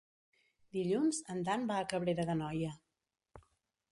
Dilluns en Dan va a Cabrera d'Anoia.